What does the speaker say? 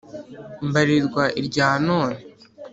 mbarirwa irya none